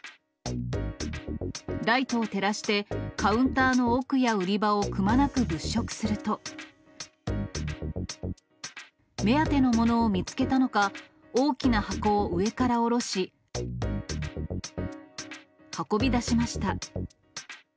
ライトを照らしてカウンターの奥や売り場をくまなく物色すると、目当てのものを見つけたのか、大きな箱を上からおろし、運び出しました。